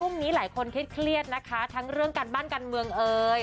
นี้หลายคนเครียดนะคะทั้งเรื่องการบ้านการเมืองเอ่ย